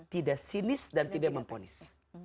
tidak sinis dan tidak memponis